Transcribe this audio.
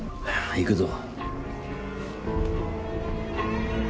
行くぞ。